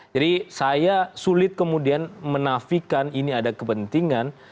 jadi saya sulit kemudian menafikan ini ada kepentingan